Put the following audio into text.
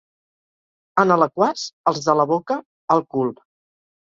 En Alaquàs, els de la boca al cul.